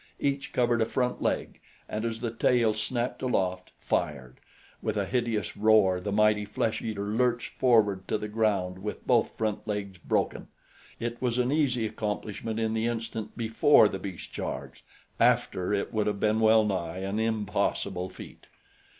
Each covered a front leg, and as the tail snapped aloft, fired. With a hideous roar the mighty flesh eater lurched forward to the ground with both front legs broken. It was an easy accomplishment in the instant before the beast charged after, it would have been well nigh an impossible feat.